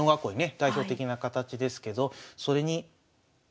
代表的な形ですけどそれにまねた。